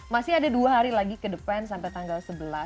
masih ada dua hari lagi ke depan sampai tanggal sebelas